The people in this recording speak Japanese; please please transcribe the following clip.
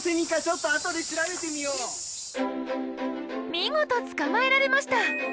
見事捕まえられました！